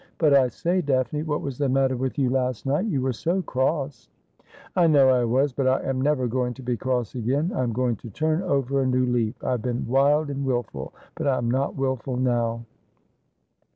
But, I say, Daphne, what was the matter with you last night ? You were so cross.' ' I know I was ; but I am never going to be cross again. I am going to turn over a new leaf. ' I have been wild and wilful, but I am not wilful now.'